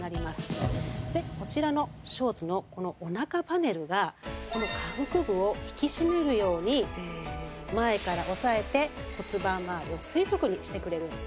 でこちらのショーツのこのお腹パネルがこの下腹部を引き締めるように前から押さえて骨盤まわりを垂直にしてくれるんですね。